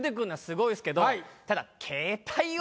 ただ。